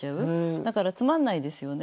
だからつまんないですよね。